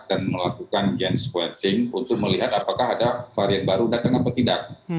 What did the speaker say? dan melakukan gans sequencing untuk melihat apakah ada varian baru datang atau tidak